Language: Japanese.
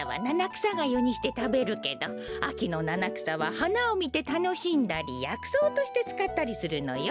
くさがゆにしてたべるけどあきのななくさははなをみてたのしんだりやくそうとしてつかったりするのよ。